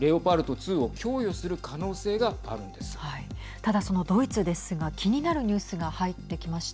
ただ、そのドイツですが気になるニュースが入ってきました。